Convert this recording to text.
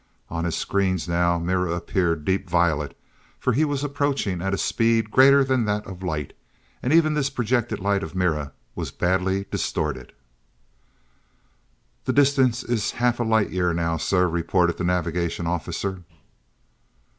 On his screens now, Mira appeared deep violet, for he was approaching at a speed greater than that of light, and even this projected light of Mira was badly distorted. "The distance is half a light year now, sir," reported the navigation officer.